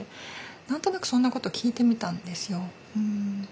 何となくそんなこと聞いてみたんですよ。